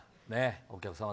お客さま